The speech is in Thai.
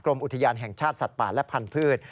อุทยานแห่งชาติสัตว์ป่าและพันธุ์